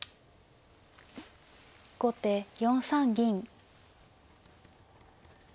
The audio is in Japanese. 後手４三銀。